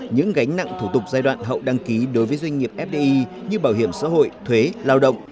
những gánh nặng thủ tục giai đoạn hậu đăng ký đối với doanh nghiệp fdi như bảo hiểm xã hội thuế lao động